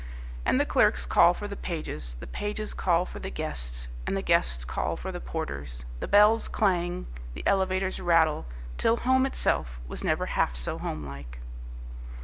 And the clerks call for the pages, the pages call for the guests, and the guests call for the porters, the bells clang, the elevators rattle, till home itself was never half so homelike.